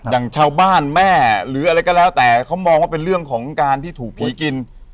อย่างชาวบ้านแม่หรืออะไรก็แล้วแต่เขามองว่าเป็นเรื่องของการที่ถูกผีกิน